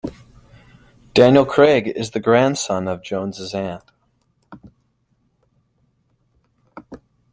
Daniel Craig is the grandson of Jones's aunt.